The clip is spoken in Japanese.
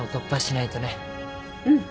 うん。